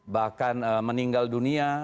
bahkan meninggal dunia